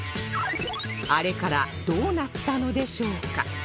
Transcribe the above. あれからどうなったのでしょうか？